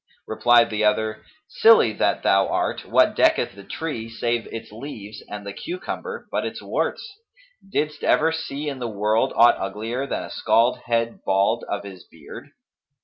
Replied the other, 'Silly that thou art, what decketh the tree save its leaves and the cucumber but its warts?[FN#256] Didst ever see in the world aught uglier than a scald head bald of his beard?